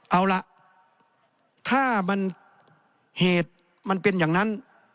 เอาล่ะถ้ามันเหตุมันเป็นอย่างนั้น